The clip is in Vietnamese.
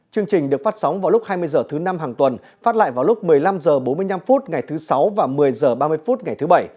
chương trình được phát sóng vào lúc hai mươi h thứ năm hàng tuần phát lại vào lúc một mươi năm h bốn mươi năm ngày thứ sáu và một mươi h ba mươi phút ngày thứ bảy